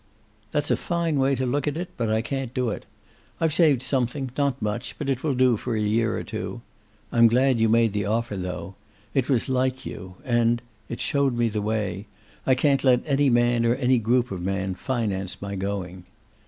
"That's a fine way to look at it, but I can't do it. I've saved something, not much, but it will do for a year or two. I'm glad you made the offer, though. It was like you, and it showed me the way. I can't let any man, or any group of men, finance my going."